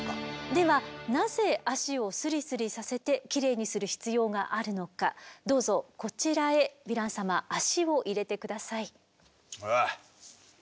ではなぜ足をスリスリさせてキレイにする必要があるのかどうぞこちらへヴィラン様足を入れて下さい。